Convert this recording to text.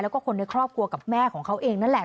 แล้วก็คนในครอบครัวกับแม่ของเขาเองนั่นแหละ